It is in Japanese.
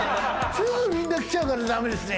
すぐみんな来ちゃうから駄目ですね。